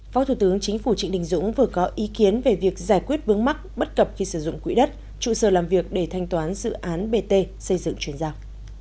phó thủ tướng chính phủ trịnh đình dũng vừa có ý kiến về việc giải quyết vướng mắc bất cập khi sử dụng quỹ đất trụ sở làm việc để thanh toán dự án bt xây dựng chuyển giao